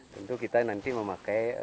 tentu kita nanti memakai kendaraan poluit drive